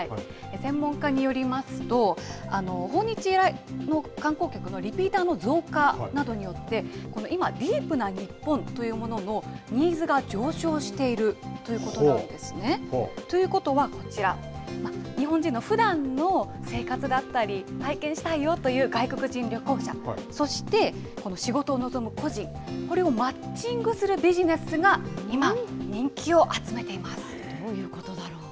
専門家によりますと、訪日の観光客のリピーターの増加などによって、この今、ディープな日本というもののニーズが上昇しているということなんですね。ということは、こちら、日本人のふだんの生活だったり、体験したいよという外国人旅行者、そしてこの仕事を望む個人、これをマッチングするビジネスが今、どういうことだろう。